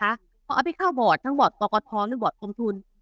เอาเป็นข้าวบอร์ดทั้งบอร์ดต่อกรท้องและบอร์ดกรมทุน